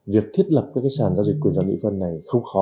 việc thiết lập các sàn giao dịch của nhà mỹ vân này không khó